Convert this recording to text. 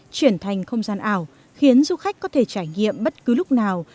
chuyển thành không gian ảo khiến du khách có thể trải nghiệm bất cứ lúc nào